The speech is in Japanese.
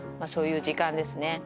そういう時間ですね。